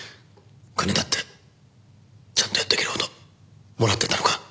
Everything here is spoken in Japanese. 金だってちゃんとやっていけるほどもらってたのか？